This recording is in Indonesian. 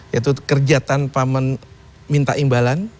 yaitu kerja tanpa meminta imbalan